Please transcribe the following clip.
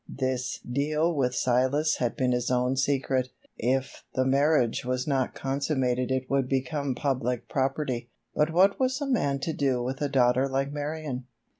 This deal with Silas had been his own secret. If the marriage was not consummated it would become public property. But what was a man to do with a daughter like Marion?